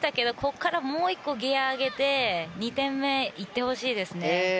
ここからもう１個ギアを上げて２点目いってほしいですね。